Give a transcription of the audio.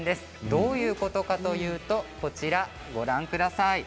どういうことかというとこちらご覧ください。